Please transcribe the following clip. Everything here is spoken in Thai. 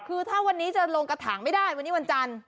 คือถ้าวันนี้จะลงกระถางไม่ได้วันนี้วันจันทร์